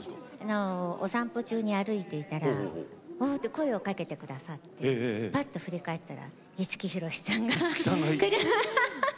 お散歩中に歩いていたら声をかけてくださってぱっと振り返ったら五木ひろしさんが車で。